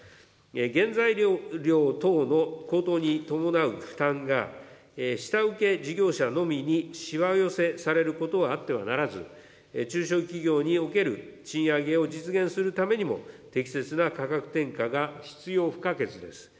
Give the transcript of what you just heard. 原材料等の高騰に伴う負担が、下請け事業者のみにしわ寄せされることはあってはならず、中小企業における賃上げを実現するためにも、適切な価格転嫁が必要不可欠です。